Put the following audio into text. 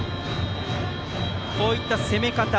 こういった攻め方